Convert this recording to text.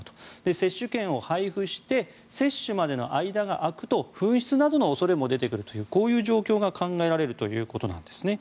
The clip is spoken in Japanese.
接種券を配布して接種までの間が空くと紛失などの恐れも出てくるとこういう状況が考えられるということなんですね。